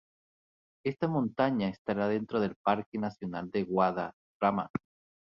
Esta montaña estará dentro del Parque Nacional de Guadarrama.